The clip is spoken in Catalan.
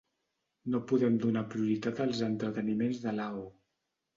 No podem donar prioritat als entreteniments de Lao.